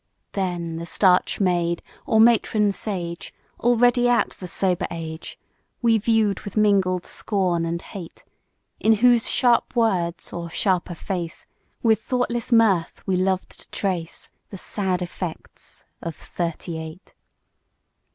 Then the starch maid, or matron sage, Already at the sober age, We view'd with mingled scorn and hate; In whose sharp words, or sharper face, With thoughtless mirth we loved to trace The sad effects of Thirty eight.